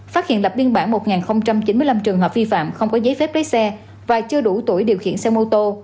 phát hiện lập biên bản một chín mươi năm trường hợp vi phạm không có giấy phép lấy xe và chưa đủ tuổi điều khiển xe mô tô